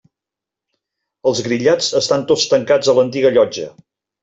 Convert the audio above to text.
Els grillats estan tots tancats a l'antiga llotja.